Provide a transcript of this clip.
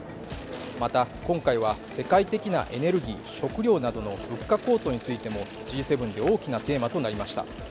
また今回は世界的なエネルギー、食糧などの物価高騰についてもＧ７で大きなテーマとなりました。